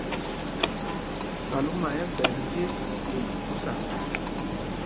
Salóma ɛ́ ɛ́ ɓɛ̄ njes pyêmb phúsa.